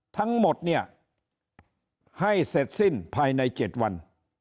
ทั้งหมดเนี่ยให้เสร็จสิ้นภายใน๗วัน